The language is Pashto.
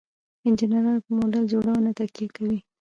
انجینران په موډل جوړونه تکیه کوي.